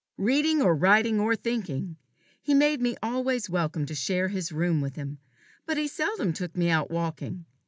Reading or writing or thinking, he made me always welcome to share his room with him; but he seldom took me out walking.